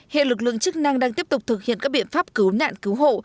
hiện lực lượng chức năng đang tiếp tục thực hiện các biện pháp cứu nạn cứu hộ